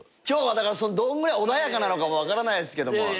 今日はだからどんぐらい穏やかなのか分からないですけど。